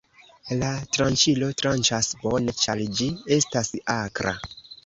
La tranĉilo tranĉas bone, ĉar ĝi estas akra.